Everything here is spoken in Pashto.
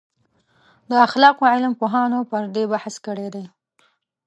د اخلاقو علم پوهانو پر دې بحث کړی دی.